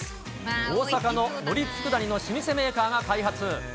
大阪ののり佃煮の老舗メーカーが開発。